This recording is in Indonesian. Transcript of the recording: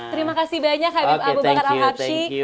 terima kasih banyak habib abu bakar al habshi